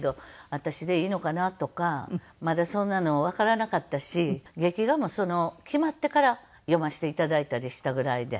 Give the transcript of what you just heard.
私でいいのかなとかまだそんなのわからなかったし劇画も決まってから読ませて頂いたりしたぐらいで。